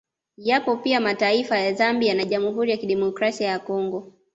Yapo pia mataifa ya Zambia na Jamhuri ya kidemokrasia ya Congo